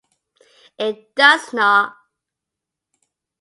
It does not.